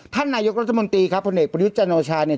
ท่านนายกรัฐมนตรีครับผลเอกประยุทธ์จันโอชาเนี่ย